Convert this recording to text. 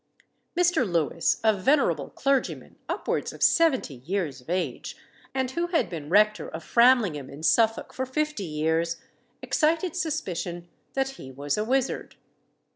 Mr. Louis, a venerable clergyman, upwards of seventy years of age, and who had been rector of Framlingham, in Suffolk, for fifty years, excited suspicion that he was a wizard.